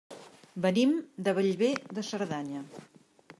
Venim de Bellver de Cerdanya.